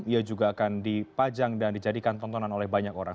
ia juga akan dipajang dan dijadikan tontonan oleh banyak orang